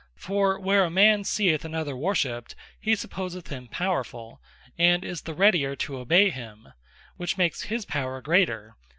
For where a man seeth another worshipped he supposeth him powerfull, and is the readier to obey him; which makes his Power greater.